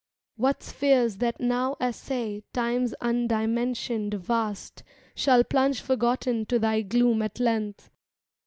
What spheres that now assay Time's undimensioned vast Shall plunge forgotten to thy gloom at length.